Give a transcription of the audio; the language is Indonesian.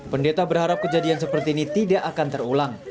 pendeta berharap kejadian seperti ini tidak akan terulang